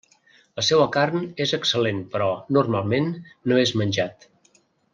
La seua carn és excel·lent però, normalment, no és menjat.